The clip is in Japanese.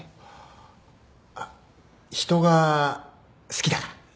あっ人が好きだから？